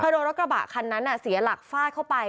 โดนรถกระบะคันนั้นเสียหลักฟาดเข้าไป